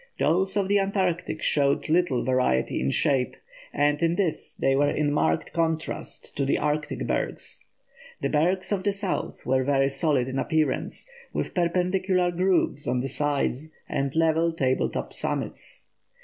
Those of the Antarctic showed little variety in shape, and in this they were in marked contrast to the Arctic bergs. The bergs of the South were very solid in appearance, with perpendicular grooves on the sides, and level table top summits.